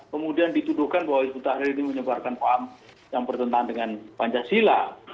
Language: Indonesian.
kemudian dituduhkan bahwa hizbut tahrir ini menyebarkan paham yang bertentangan dengan pancasila